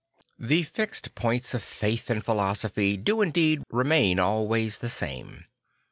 The fixed points of faith and philosophy do indeed remain always the same.